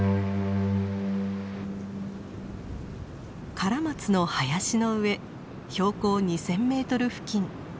カラマツの林の上標高２，０００メートル付近。